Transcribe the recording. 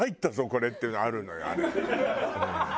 これっていうのあるのよあれ。